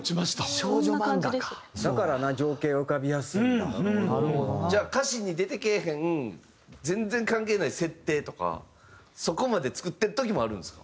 だから。じゃあ歌詞に出てけえへん全然関係ない設定とかそこまで作ってる時もあるんですか？